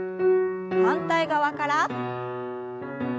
反対側から。